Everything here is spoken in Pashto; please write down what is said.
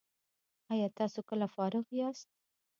ایا تاسو کله فارغ یاست؟